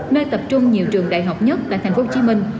nơi tập trung nhiều trường đại học nhất tại thành phố hồ chí minh